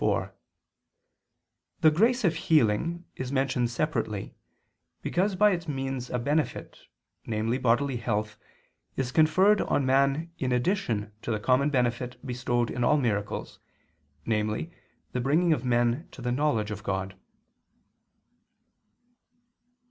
4: The "grace of healing" is mentioned separately, because by its means a benefit, namely bodily health, is conferred on man in addition to the common benefit bestowed in all miracles, namely the bringing of men to the knowledge of God.